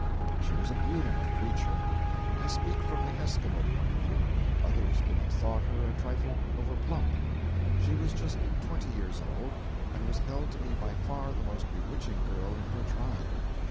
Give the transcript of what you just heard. She was a beautiful creature. I speak from the Esquimaux point of view. Others would have thought her a trifle over plump. She was just twenty years old, and was held to be by far the most bewitching girl in her tribe.